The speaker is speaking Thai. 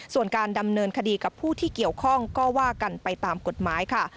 ส่วนการดำเนินคดีกับผู้ที่เกี่ยวข้องก็ว่ากันไปตามกฎหมายค่ะ